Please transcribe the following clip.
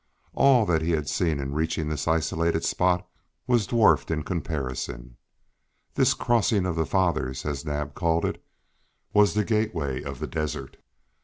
All that he had seen in reaching this isolated spot was dwarfed in comparison. This "Crossing of the Fathers," as Naab called it, was the gateway of the desert.